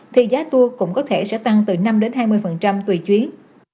thì giá tour cũng có thể sẽ tăng từ năm hai mươi tùy chuyến